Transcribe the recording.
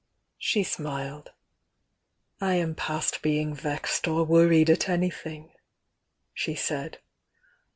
She smiled. "I am past being vexed or worried at an> thing!" she said.